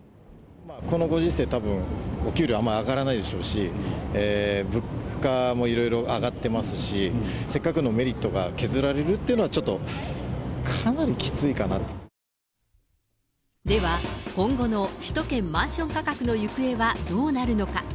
このご時世、たぶんお給料あんま上がらないでしょうし、物価もいろいろ上がってますし、せっかくのメリットが削られるというのは、ちょっとかなりきついでは、今後の首都圏マンション価格の行方はどうなるのか？